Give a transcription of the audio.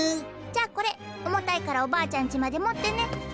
じゃあこれ重たいからおばあちゃんちまで持ってね。